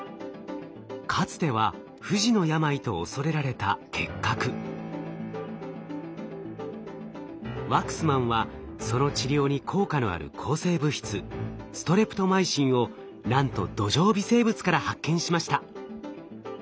かつては不治の病と恐れられたワクスマンはその治療に効果のある抗生物質ストレプトマイシンをなんと土壌微生物から発見しました。